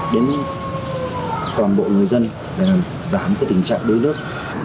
đến toàn bộ người dân để giảm tình trạng đuối nước